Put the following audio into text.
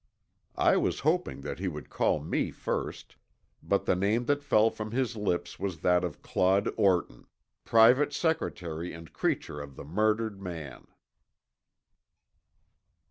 I was hoping that he would call me first, but the name that fell from his lips was that of Claude Orton, private secretary and creature of the murdered man.